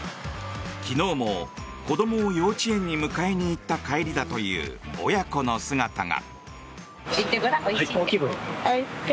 昨日も子どもを幼稚園に迎えに行った帰りだという親子の姿が。